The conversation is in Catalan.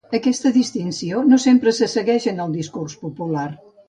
Aquesta distinció no sempre se segueix en el discurs popular.